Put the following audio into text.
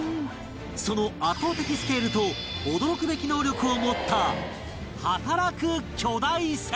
その圧倒的スケールと驚くべき能力を持った働く巨大船